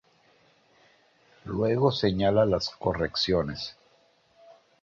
Luego señala las correcciones.